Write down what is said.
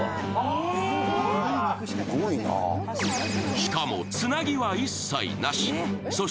しかもつなぎは一切なし。